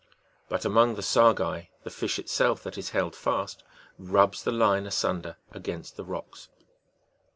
But among the sargi, the fish itself, that is held fast, rubs the line asunder against the rocks.